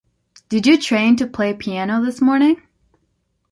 Did you train to play piano this morning?